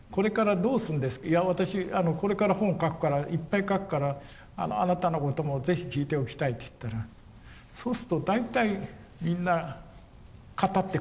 いや私これから本書くからいっぱい書くからあなたのことも是非聞いておきたいって言ったらそうすると大体みんな語ってくれるんですね。